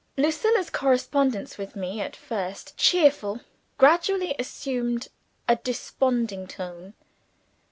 Lucilla's correspondence with me at first cheerful gradually assumed a desponding tone.